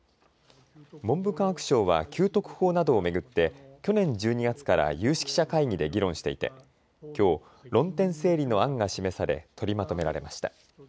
文部科学省は給特法などを巡って去年１２月から有識者会議で議論していてきょう論点整理の案が示され取りまとめられました。